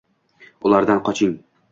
Ulardan qoching